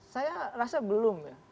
saya rasa belum ya